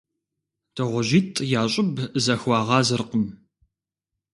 ДыгъужьитӀ я щӀыб зэхуагъазэркъым.